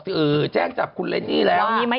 แจ้งจับคุณเรนนี่แล้ว